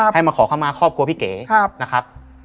ให้มาขอเข้ามาครอบครัวพี่เก๋นะครับ